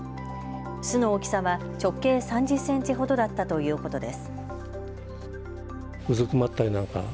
巣の大きさは直径３０センチほどだったということです。